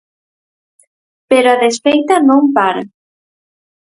Pero a desfeita non para.